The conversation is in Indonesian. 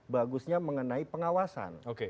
bagusnya mengenai pengawasan